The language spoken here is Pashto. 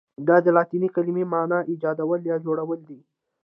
ددې لاتیني کلمې معنی ایجادول یا جوړول دي.